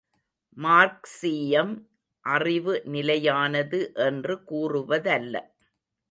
மார்க்சீயம் அறிவு நிலையானது என்று கூறுவதல்ல.